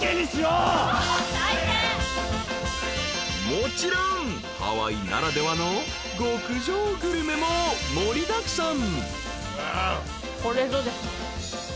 ［もちろんハワイならではの極上グルメも盛りだくさん］